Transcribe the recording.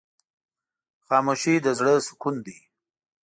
خاموشي، د زړه سکون دی.